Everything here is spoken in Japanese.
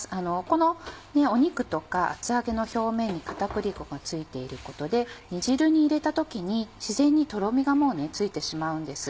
この肉とか厚揚げの表面に片栗粉が付いていることで煮汁に入れた時に自然にとろみがもうついてしまうんです。